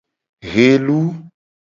Helu.